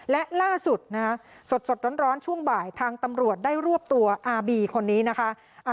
และล่าสุดนะคะสดร้อนช่วงบ่ายทางตำรวจได้รวบตัวอาบีคนนี้นะคะ